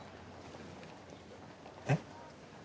えっ？